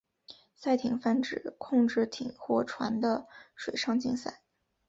赛艇泛指控制艇或船的水上竞赛。